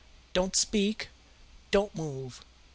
Don't speak! Don't move!